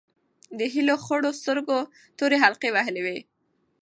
د هیلې خړو سترګو تورې حلقې وهلې وې.